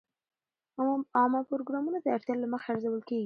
عامه پروګرامونه د اړتیا له مخې ارزول کېږي.